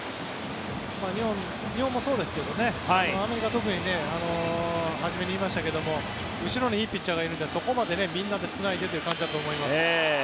日本もそうですけどねアメリカは特に初めに言いましたけど後ろにいいピッチャーがいるのでそこまでみんなでつないでという感じだと思います。